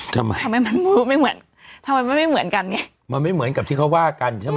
ทำไมมันไม่เหมือนกันไงมันไม่เหมือนกับที่เขาว่ากันใช่ไหม